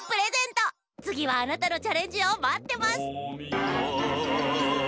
つぎはあなたのチャレンジをまってます！